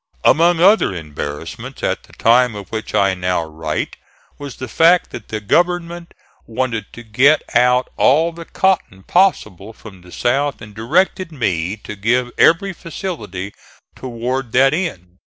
Among other embarrassments, at the time of which I now write, was the fact that the government wanted to get out all the cotton possible from the South and directed me to give every facility toward that end.